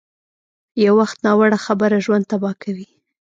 یو وخت ناوړه خبره ژوند تباه کوي.